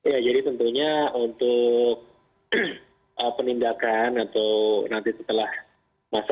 ya jadi tentunya untuk penindakan atau nanti setelah masa